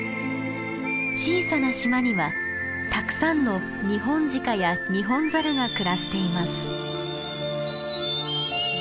小さな島にはたくさんのニホンジカやニホンザルが暮らしています。